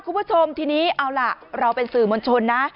คุณผู้ชมทีนี้เอาล่ะเราเป็นสื่อมวลชนนะ